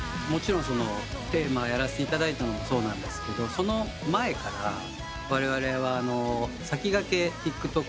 もちろんテーマをやらせていただいたのもそうなんですけどその前からわれわれは。